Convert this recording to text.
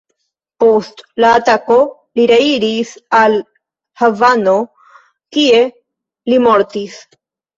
Post la atako, li reiris al Havano, kie li mortis.